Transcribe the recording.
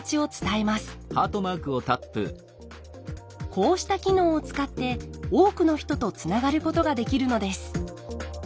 こうした機能を使って多くの人とつながることができるのです。